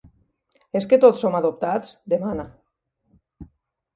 És que tots som adoptats? —demana.